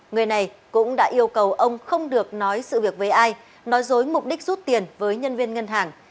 người này cũng đã yêu cầu ông không được nói sự việc với ai nói dối mục đích rút tiền với nhân viên ngân hàng